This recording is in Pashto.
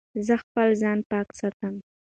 زه خپل ځان پاک ساتم.